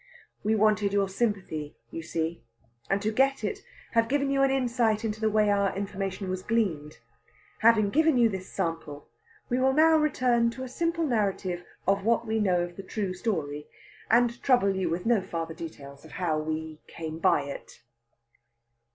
We wanted your sympathy, you see, and to get it have given you an insight into the way our information was gleaned. Having given you this sample, we will now return to simple narrative of what we know of the true story, and trouble you with no further details of how we came by it.